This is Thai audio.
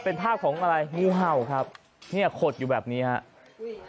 เป็นภาพของอะไรงูเห่าครับเนี่ยขดอยู่แบบนี้ครับ